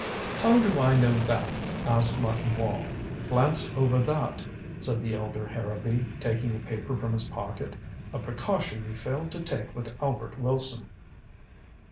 "How do I know that?" asked Martin Wall. "Glance over that," said the elder Harrowby, taking a paper from his pocket. "A precaution you failed to take with Albert Wilson."